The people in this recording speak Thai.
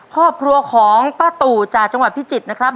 ครอบครัวของป้าตู่จากจังหวัดพิจิตรนะครับ